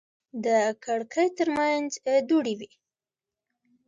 د کړکۍ ترمنځ دوړې وې.